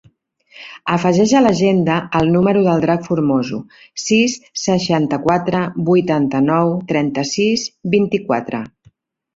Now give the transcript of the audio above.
Afegeix a l'agenda el número del Drac Formoso: sis, seixanta-quatre, vuitanta-nou, trenta-sis, vint-i-quatre.